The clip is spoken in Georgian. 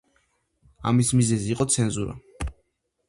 ამის მიზეზი იყო ცენზურა.